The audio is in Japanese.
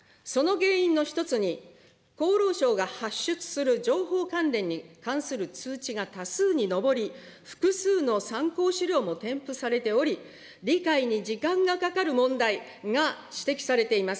その原因の一つに、厚労省が発出する情報関連に関する通知が多数に上り、複数の参考資料も添付されており、理解に時間がかかる問題が指摘されています。